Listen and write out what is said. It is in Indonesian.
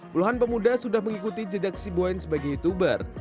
puluhan pemuda sudah mengikuti jeda si boen sebagai youtuber